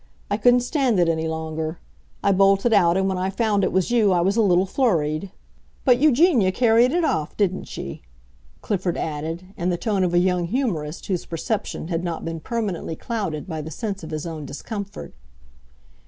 I couldn't stand it any longer. I bolted out, and when I found it was you I was a little flurried. But Eugenia carried it off, didn't she?" Clifford added, in the tone of a young humorist whose perception had not been permanently clouded by the sense of his own discomfort.